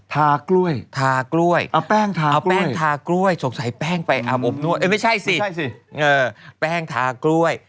ทากล้วยเอาแป้งทากล้วยสงสัยแป้งไปอบนวดไม่ใช่สิแป้งทากล้วย